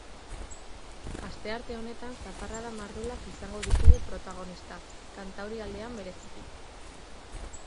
Astearte honetan zaparrada mardulak izango ditugu protagonista, kantaurialdean bereziki.